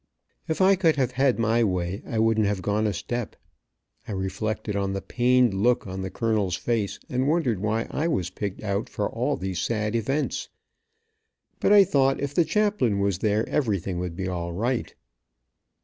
If I could have had my way, I wouldn't have gone a step. I reflected on the pained look on the colonel's face, and wondered why I was picked out for all these sad events, but I thought if the chaplain was there everything would be all right.